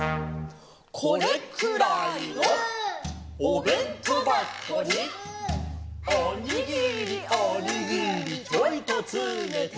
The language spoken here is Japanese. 「これくらいのおべんとばこに」「おにぎりおにぎりちょいとつめて」